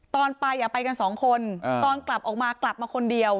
ตอนไปไปกันสองคนตอนกลับออกมากลับมาคนเดียว